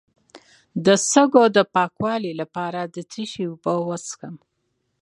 د سږو د پاکوالي لپاره د څه شي اوبه وڅښم؟